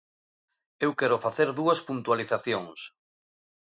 Eu quero facer dúas puntualizacións.